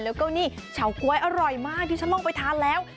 แล้วก็นี่เฉาก๊วยอร่อยมากที่ฉันลองไปทานแล้ว